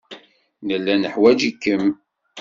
Nella neḥwaj-ikem.